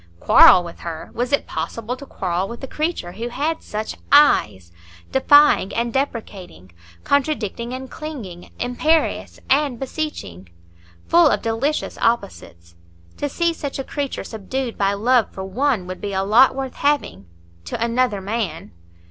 Quarrel with her? Was it possible to quarrel with a creature who had such eyes,—defying and deprecating, contradicting and clinging, imperious and beseeching,—full of delicious opposites? To see such a creature subdued by love for one would be a lot worth having—to another man.